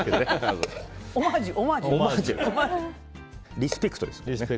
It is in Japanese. リスペクトです。